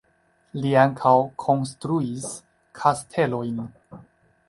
Li ankaŭ konstruis kastelojn.